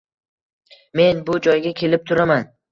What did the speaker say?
Men bu joyga kelib turaman.